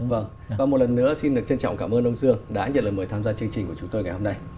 và một lần nữa xin được trân trọng cảm ơn ông dương đã nhiều lần mời tham gia chương trình của chúng tôi ngày hôm nay